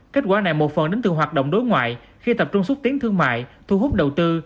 kết quả này một phần đến từ hoạt động đối ngoại khi tập trung xuất tiến thương mại thu hút đầu tư